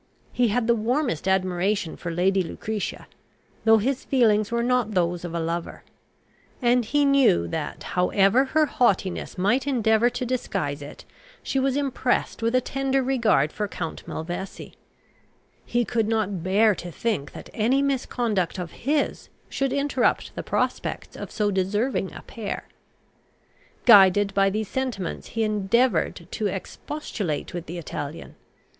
He had the warmest admiration for Lady Lucretia, though his feelings were not those of a lover; and he knew that, however her haughtiness might endeavour to disguise it, she was impressed with a tender regard for Count Malvesi. He could not bear to think that any misconduct of his should interrupt the prospects of so deserving a pair. Guided by these sentiments, he endeavoured to expostulate with the Italian.